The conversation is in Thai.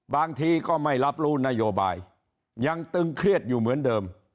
บางทีก็ไม่รับรู้นโยบายยังตึงเครียดอยู่เหมือนเดิม